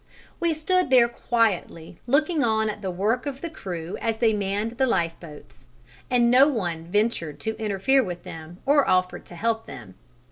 We stood there quietly looking on at the work of the crew as they manned the lifeboats, and no one ventured to interfere with them or offered to help them.